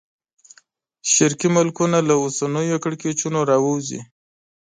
شرقي ملکونه له اوسنیو کړکېچونو راووځي.